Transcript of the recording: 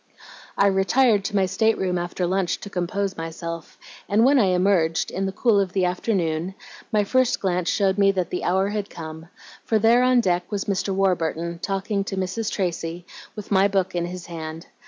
"I retired to my state room after lunch to compose myself, and when I emerged, in the cool of the afternoon, my first glance showed me that the hour had come, for there on deck was Mr. Warburton, talking to Mrs. Tracy, with my book in his hand.